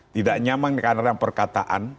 tidak nyaman karena perkataan